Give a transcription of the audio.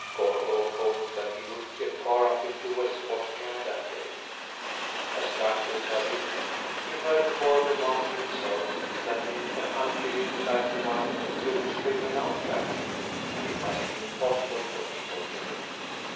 Gorgo hoped that he would get far up into West Bothnia that day. As luck would have it, he heard the boy remark to himself that in a country like the one through which they were now travelling it must be impossible for people to live.